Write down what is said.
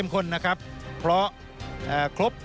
ส่วนต่างกระโบนการ